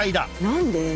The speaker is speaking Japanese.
何で？